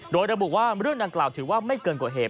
โดยระบุว่าเรื่องดังกล่าวถือว่าไม่เกินกว่าเหตุ